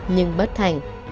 nhưng bất thành